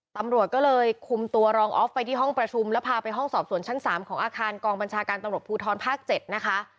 ตำรวจก็เลยคุมตัวรองออฟไปที่ห้องประชุมแล้วพาไปห้องสอบสวนชั้น๓ของอาคารกองบัญชาการตำรวจภูทรภาค๗นะคะ